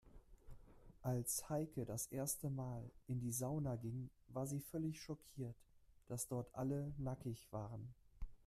Als Heike das erste Mal in die Sauna ging, war sie völlig schockiert, dass dort alle nackig waren.